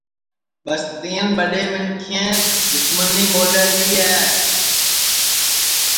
ٻستِین ٻڈؔے منکھینٚس دُسمنی مولے لی ہے